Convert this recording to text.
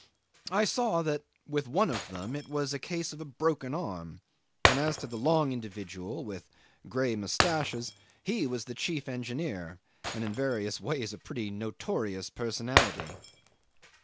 I saw that with one of them it was a case of a broken arm; and as to the long individual with grey moustaches he was the chief engineer, and in various ways a pretty notorious personality.